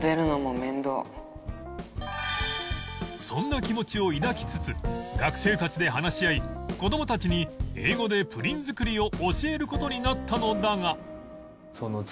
そんな気持ちを抱きつつ学生たちで話し合い子どもたちに英語でプリン作りを教える事になったのだが